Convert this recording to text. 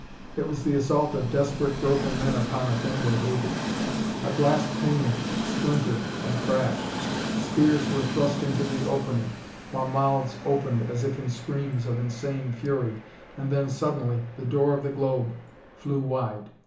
It was the assault of desperate, broken men upon a thing they hated. A glass pane splintered and crashed. Spears were thrust into the opening, while mouths opened as if in screams of insane fury. And then, suddenly, the door of the globe flew wide.